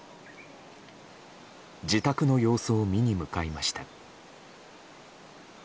自宅の様子を見に向かいました。